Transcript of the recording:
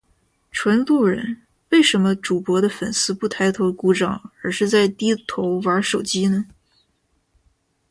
纯路人，为什么主播的粉丝不抬头鼓掌而是在低头玩手机呢？